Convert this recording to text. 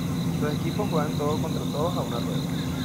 Los equipos juegan todo contra todos a una rueda.